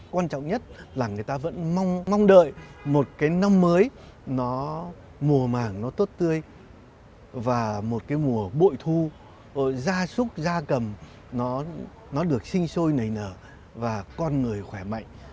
quan trọng nhất là người ta vẫn mong đợi một cái năm mới nó mùa màng nó tốt tươi và một cái mùa bội thu gia súc gia cầm nó được sinh sôi nảy nở và con người khỏe mạnh